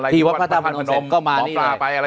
ที่วัฒนภนมเสร็จก็มานี่เลย